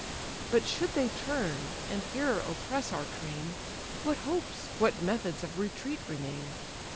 But should they turn, and here oppress our train, What hopes, what methods of retreat remain?